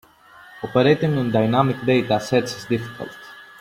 Operating on dynamic data sets is difficult.